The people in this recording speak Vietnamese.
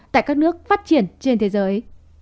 tại các nước phát triển trên thế giới